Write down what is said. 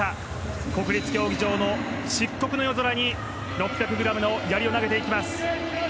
国立競技場の漆黒の夜空に６００ｇのやりを投げていきます。